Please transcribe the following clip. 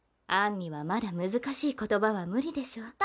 アンにはまだ難しい言葉は無理でしょ？